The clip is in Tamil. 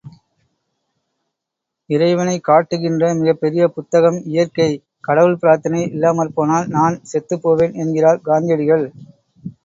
இறைவனைக் காட்டுகின்ற மிகப்பெரிய புத்தகம் இயற்கை கடவுள் பிரார்த்தனை இல்லாமற்போனால் நான் செத்துப் போவேன் என்கிறார் காந்தியடிகள்.